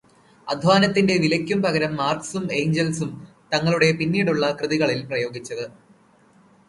“അദ്ധ്വാനത്തിന്റെ വിലയ്ക്കും പകരം മാർക്സും എംഗൽസും തങ്ങളുടെ പിന്നീടുള്ള കൃതികളിൽ പ്രയോഗിച്ചതു്.